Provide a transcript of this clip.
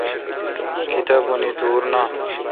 کتابونی دور نام۔